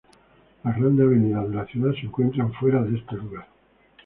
Las grandes avenidas de la ciudad se encuentran fuera de este lugar.